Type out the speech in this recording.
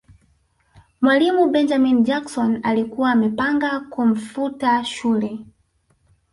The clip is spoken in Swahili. mwalimu benjamin jackson alikuwa amepanga kumfuta shule